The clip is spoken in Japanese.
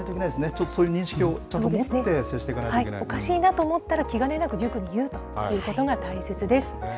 ちょっとそういう認識をちゃんと持って、接していかないといけなおかしいなと思ったら、気兼ねなく塾に言うということが大切です。